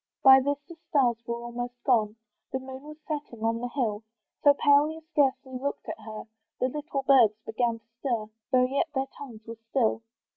By this the stars were almost gone, The moon was setting on the hill, So pale you scarcely looked at her: The little birds began to stir, Though yet their tongues were still.